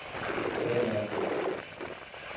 remessa